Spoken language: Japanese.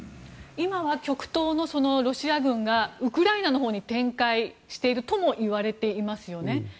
今は極東のロシア軍がウクライナのほうに展開しているともいわれていますよね。